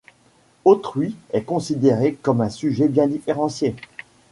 Autrui est considéré comme un sujet bien différencié.